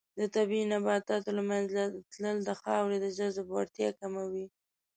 د طبیعي نباتاتو له منځه تلل د خاورې د جذب وړتیا کموي.